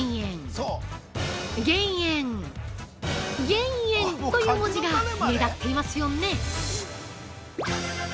減塩！という文字が目立っていますよね！